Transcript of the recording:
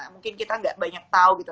mungkin kita gak banyak tahu gitu